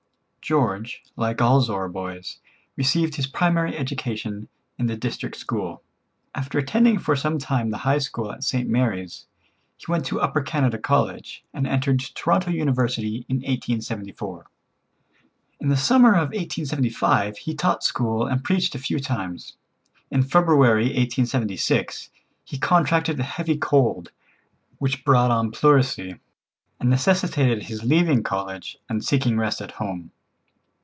George, like all Zorra boys, received his primary education in the district school. After attending for some time the High School at St. Mary's, he went to Upper Canada College, and entered Toronto University in 1874. In the summer of 1875 he taught school and preached a few times. In February, 1876, he contracted a heavy cold, which brought on pleurisy, and necessitated his leaving college and seeking rest at home.